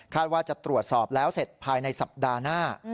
ว่าจะตรวจสอบแล้วเสร็จภายในสัปดาห์หน้า